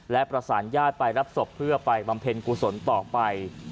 และประสานญาติไปรับศพเพื่อไปบำเพ็ญกุศลต่อไป